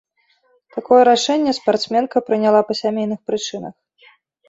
Такое рашэнне спартсменка прыняла па сямейных прычынах.